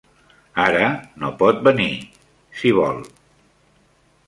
Ara no pot venir, si vol.